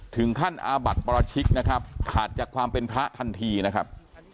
อาบัติปรชิกนะครับขาดจากความเป็นพระทันทีนะครับ